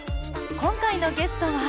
今回のゲストは？